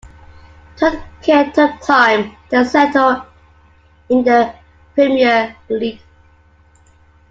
Tuncay took time to settle in the Premier League.